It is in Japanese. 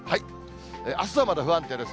あすはまだ不安定です。